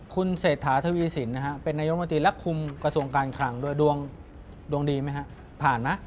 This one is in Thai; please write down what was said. คุณเศรษฐาทวีสินเป็นนโยมติรักคุมกระทรวงการครั้งด้วยดวงดีไหมฮะ